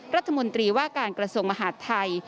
รัฐมนตรีว่าการกระทรวงมหาดไทย